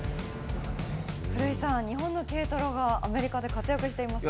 古井さん、日本の軽トラがアメリカで活躍していますね。